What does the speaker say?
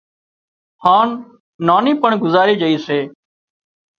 هانَ نانِي پڻ گذارِي جھئي سي